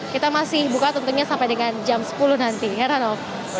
kita masih buka tentunya sampai dengan jam sepuluh nanti heranov